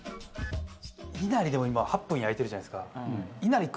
いなりでも今８分焼いてるじゃないですか。